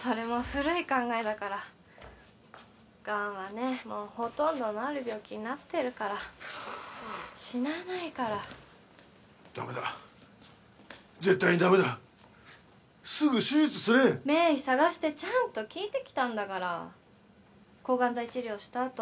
もう古い考えだからがんはねもうほとんど治る病気になってるから死なないからダメだ絶対にダメだすぐ手術すれ名医探してちゃんと聞いてきたんだから抗がん剤治療した